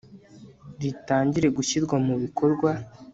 ritangire gushyirwa mu bikorwa